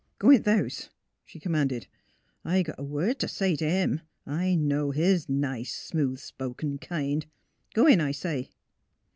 *' G' in th' house," she commanded. " I got a word t' say t' him; I know his nice, smooth spoken kind. Go in, I say!